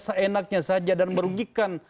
seenaknya saja dan merugikan